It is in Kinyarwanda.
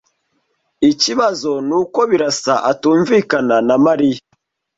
Ikibazo nuko Birasa atumvikana na Mariya.